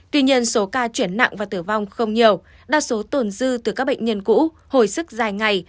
tuy nhiên số ca chuyển nặng và tử vong không nhiều đa số tồn dư từ các bệnh nhân cũ hồi sức dài ngày